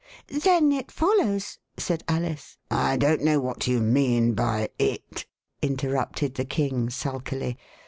Then it follows " said Alice. I don't know what you mean by * it,' " inter rupted the King sulkily.